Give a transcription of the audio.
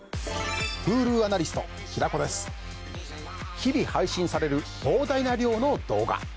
日々配信される膨大な量の動画。